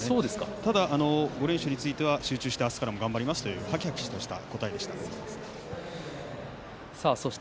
ただ５連勝については集中して明日から頑張りますとはきはきとした答えでした。